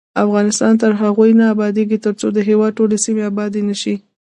افغانستان تر هغو نه ابادیږي، ترڅو د هیواد ټولې سیمې آبادې نه شي.